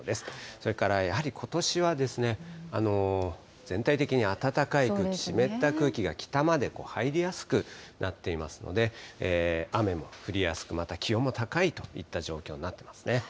それからやはりことしは、全体的に暖かく湿った空気が北まで入りやすくなっていますので、雨も降りやすく、また気温も高いといった状況になっていますね。